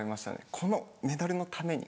このメダルのために。